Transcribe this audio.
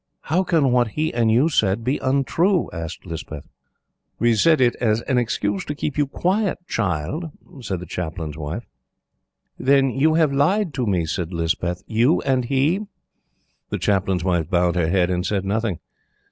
"How can what he and you said be untrue?" asked Lispeth. "We said it as an excuse to keep you quiet, child," said the Chaplain's wife. "Then you have lied to me," said Lispeth, "you and he?" The Chaplain's wife bowed her head, and said nothing.